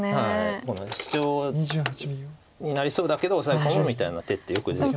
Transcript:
シチョウになりそうだけどオサエ込むみたいな手ってよく出てくるので。